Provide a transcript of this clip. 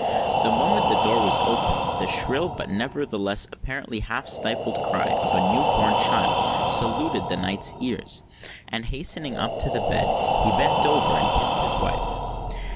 The moment the door was opened, the shrill but nevertheless apparently half stifled cry of a newborn child saluted the knight's ears; and, hastening up to the bed, he bent over and kissed his wife.